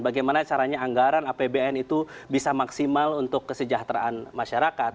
bagaimana caranya anggaran apbn itu bisa maksimal untuk kesejahteraan masyarakat